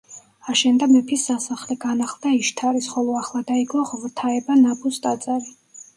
აშენდა მეფის სასახლე, განახლდა იშთარის, ხოლო ახლად აიგო ღვთაება ნაბუს ტაძარი.